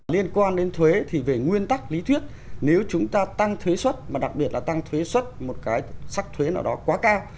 liên quan đến thuế thì về nguyên tắc lý thuyết nếu chúng ta tăng thuế xuất mà đặc biệt là tăng thuế xuất một cái sắc thuế nào đó quá cao